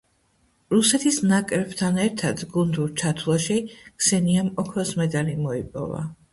რუსეთის ნაკრებთან ერთად გუნდურ ჩათვლაში ქსენიამ ოქროს მედალი მოიპოვა.